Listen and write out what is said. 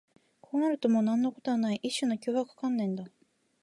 こうなるともう何のことはない、一種の脅迫観念だ